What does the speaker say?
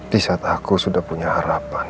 di saat aku sudah punya harapan